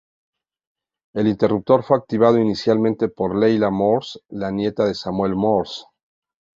El interruptor fue activado inicialmente por Leila Morse, la nieta de Samuel Morse.